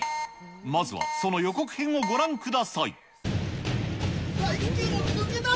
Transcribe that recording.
まずはその予告編をご覧ください。